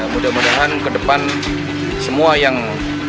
mudah mudahan kedepan semua yang